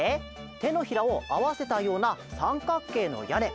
てのひらをあわせたようなさんかくけいのやね。